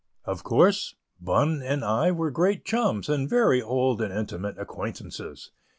Of course, Bunn and I were great chums and very old and intimate acquaintances.